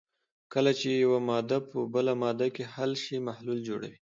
کله چې یوه ماده په بله ماده کې حل شي محلول جوړوي.